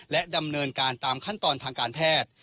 และดำเนินการตามขั้นตอนทางการแพทย์